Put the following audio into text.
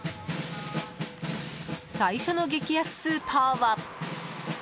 最初の激安スーパーは。